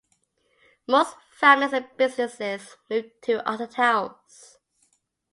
Most families and businesses moved to other towns.